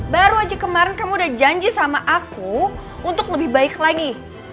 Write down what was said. baru aja kemarin kamu udah janji sama aku untuk lebih baik lagi